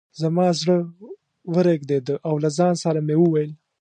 زما زړه ورېږده او له ځان سره مې وویل.